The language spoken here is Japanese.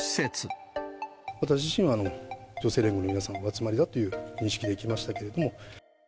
私自身は、女性連合の皆さんのお集まりだという認識でいきましたけれども。